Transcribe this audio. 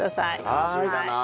楽しみだなあ。